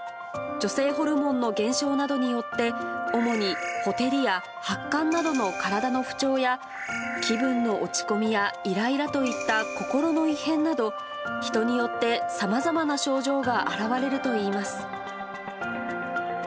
女性ホルモンの減少などによって、主にほてりや発汗などの体の不調や、気分の落ち込みやいらいらといった心の異変など、人によってさまざまな症状が現れるといいます。